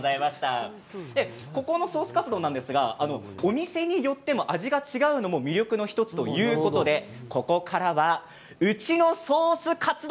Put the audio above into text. このソースカツ丼はお店によっても味が違うのが魅力の１つということで、ここからはうちのソースカツ丼